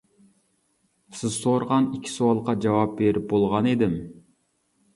سىز سورىغان ئىككى سوئالغا جاۋاب بېرىپ بولغان ئىدىم.